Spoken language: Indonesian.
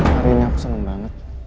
hari ini aku senang banget